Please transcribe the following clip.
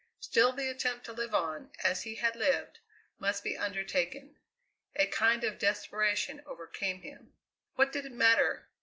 Still the attempt to live on, as he had lived, must be undertaken. A kind of desperation overcame him. What did it matter?